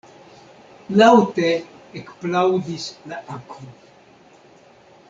Laŭte ekplaŭdis la akvo.